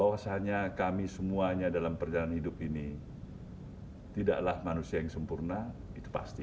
bahwasannya kami semuanya dalam perjalanan hidup ini tidaklah manusia yang sempurna itu pasti